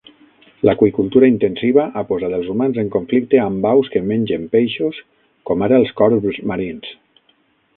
L'aqüicultura intensiva ha posat els humans en conflicte amb aus que mengen peixos, com ara els corbs marins.